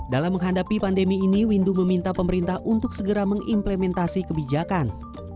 dalam menghadapi pandemi ini windu meminta pemerintah untuk segera mengimplementasi kebijakan